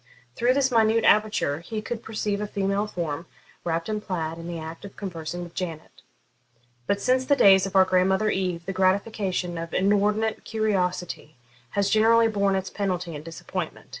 Through this minute aperture he could perceive a female form, wrapped in a plaid, in the act of conversing with Janet. But, since the days of our grandmother Eve, the gratification of inordinate curiosity has generally borne its penalty in disappointment.